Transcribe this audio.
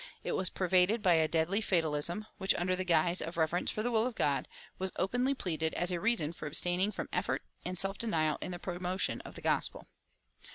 It was pervaded by a deadly fatalism, which, under the guise of reverence for the will of God, was openly pleaded as a reason for abstaining from effort and self denial in the promotion of the gospel.